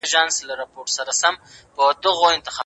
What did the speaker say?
باید د ښځو تعلیم ته لومړیتوب ورکړل سي.